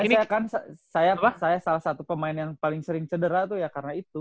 makanya saya kan salah satu pemain yang paling sering cedera tuh ya karena itu